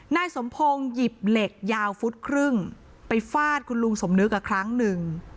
นายสมพงศ์หยิบเหล็กยาวฟุตครึ่งไปฟาดคุณลุงสมนึกครั้งหนึ่ง